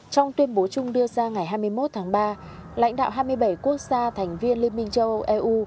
trong tuyên bố chung đưa ra ngày hai mươi một tháng ba lãnh đạo hai mươi bảy quốc gia thành viên liên minh châu âu eu